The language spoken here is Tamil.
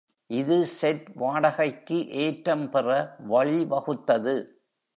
இது செட் வாடகைக்கு ஏற்றம் பெற வழிவகுத்தது.